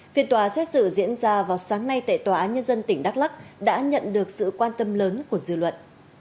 phiên tòa xét xử diễn ra vào sáng nay tại tòa án nhân dân tỉnh đắk lắc đã nhận được sự quan tâm lớn của dư luận